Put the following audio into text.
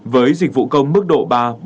với dịch vụ công mức độ ba bốn